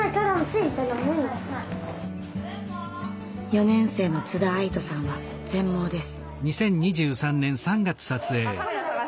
４年生の津田愛土さんは全盲です。